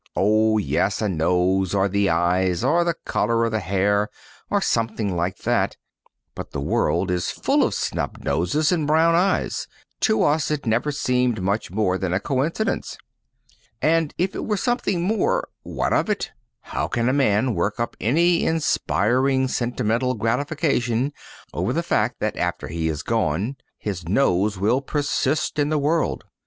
Oh, yes, a nose or the eyes or the color of the hair or something like that, but the world is full of snub noses and brown eyes. To us it never seemed much more than a coincidence. And if it were something more, what of it? How can a man work up any inspiring sentimental gratification over the fact that after he is gone his nose will persist in the world?